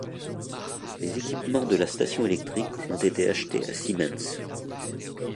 Les équipements de la station électrique ont été achetés à Siemens.